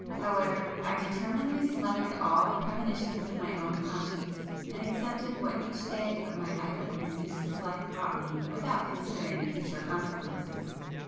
However I determinedly smothered all the premonitions of my own conscience, and accepted what each day of my idle and useless life brought me without considering future consequences.